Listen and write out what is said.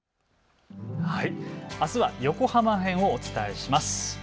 あすは横浜編をお伝えします。